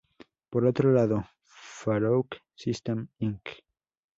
Por otro lado, Farouk Systems, Inc.